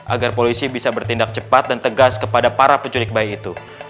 agar polisi bisa bertindak cepat dan tegas kepada para penculik bayi itu